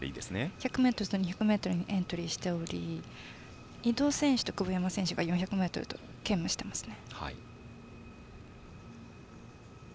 １００ｍと２００ｍにエントリーしており井戸選手と久保山選手が４００ｍと兼務してますね。